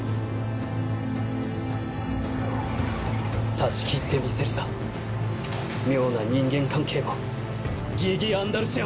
断ち切ってみせるさ妙な人間関係もギギ・アンダルシアも。